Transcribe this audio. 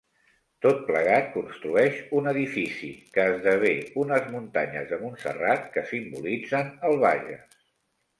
Tot plegat construeix un edifici, que esdevé unes muntanyes de Montserrat, que simbolitzen el Bages.